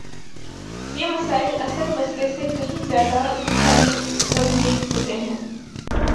یہ مسائل اصل مسئلے سے کہیں زیادہ گمبھیر ہوتے ہیں۔